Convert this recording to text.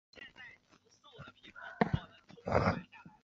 然而当年土发公司因长年亏损而未有足够资金展开项目。